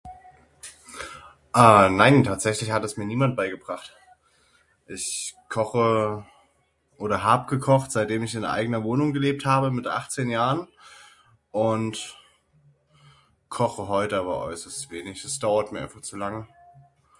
Ah nein, tatsächlich hat es mir niemand beigebracht. Ich koche oder hab gekocht seitdem ich in eigener Wohnung gelebt habe mit 18 Jahren und koche heute aber äußerst wenig, es dauert mir einfach zu lange.